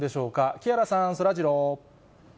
木原さん、そらジロー。